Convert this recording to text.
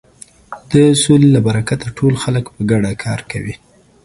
د سولې له برکته ټول خلک په ګډه کار کوي.